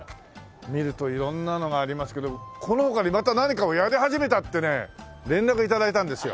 見ると色んなのがありますけどこの他にまた何かをやり始めたってね連絡頂いたんですよ。